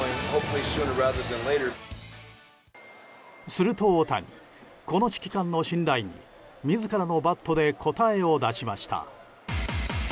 すると大谷この指揮官の信頼に自らのバットで答えを出しました。